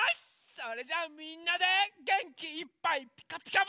それじゃあみんなでげんきいっぱい「ピカピカブ！」